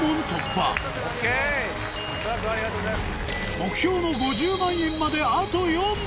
目標の５０万円まであと４問